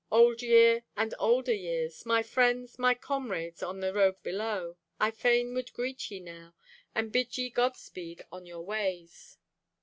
Old year and older years— My friends, my comrades on the road below— I fain would greet ye now, And bid ye Godspeed on your ways.